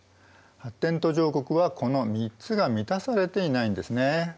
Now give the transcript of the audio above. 発展途上国はこの３つが満たされていないんですね。